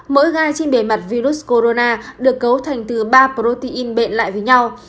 mỗi gai trên bề mặt virus corona được cấu thành từ ba protein bệnh lại với nhau